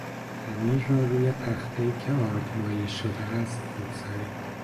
خمیر را روی تختهای که آردمالی شده است بگذارید.